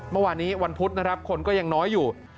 เมื่อวานนี้วันพุธนะครับคนก็ยังน้อยอยู่